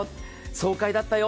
爽快だったよ。